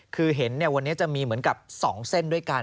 คือเห็นวันนี้จะมี๒เส้นด้วยกัน